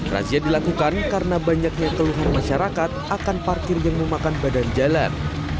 razia dilakukan karena banyaknya keluhan masyarakat akan parkir yang memakan badan jalan